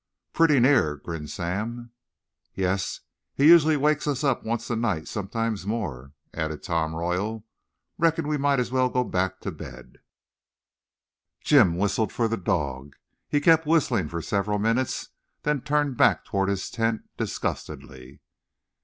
"Pretty near," grinned Sam. "Yes, he usually wakes us up once a night, sometimes more," added Tom Royal. "Reckon we might as well go back to bed." Jim whistled for the dog. He kept whistling for several minutes, then turned back toward their tent disgustedly.